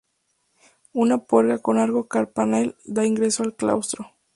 Una puerta con arco carpanel da ingreso al claustro.